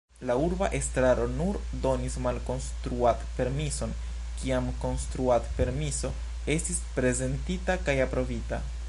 La urba estraro nur donis malkonstruad-permison kiam konstruad-permiso estis prezentita kaj aprobita.